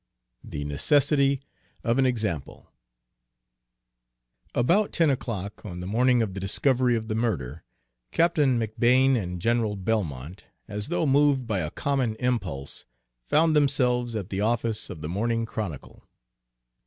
XXI THE NECESSITY OF AN EXAMPLE About ten o'clock on the morning of the discovery of the murder, Captain McBane and General Belmont, as though moved by a common impulse, found themselves at the office of the Morning Chronicle.